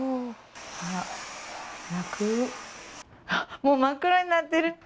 もう真っ黒になってる。